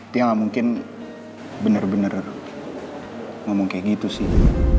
dia nggak mungkin bener bener ngomong kayak gitu sih